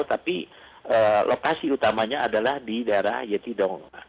tapi lokasi utamanya adalah di daerah yetidong